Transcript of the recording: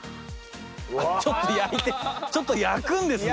ちょっと焼いてちょっと焼くんですね。